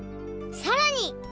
さらに！